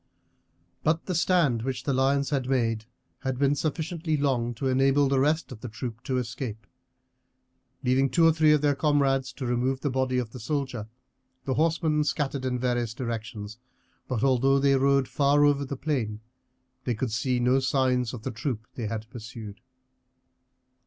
But the stand which the lion had made had been sufficiently long to enable the rest of the troop to escape. Leaving two or three of their comrades to remove the body of the soldier, the horsemen scattered in various directions; but although they rode far over the plain, they could see no signs of the troop they had pursued.